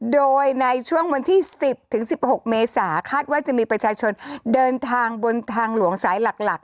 โดยในช่วงวันที่๑๐๑๖เมษาคาดว่าจะมีประชาชนเดินทางบนทางหลวงสายหลัก